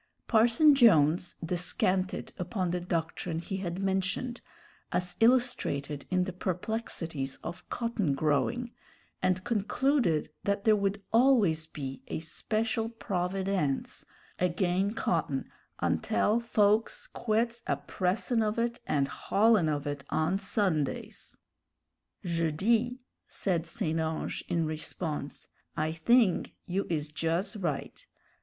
Parson Jones descanted upon the doctrine he had mentioned, as illustrated in the perplexities of cotton growing, and concluded that there would always be "a special provi_dence_ again' cotton untell folks quits a pressin' of it and haulin' of it on Sundays!" "Je dis," said St. Ange, in response, "I thing you is juz right.